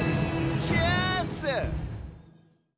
チェアース！